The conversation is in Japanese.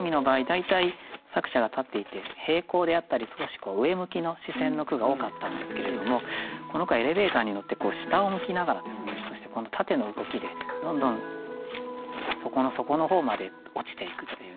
大体作者が立っていて平行であったり少し上向きの視線の句が多かったんですけれどもこの句はエレベーターに乗って下を向きながらそして縦の動きでどんどん底の底の方まで落ちていくというね。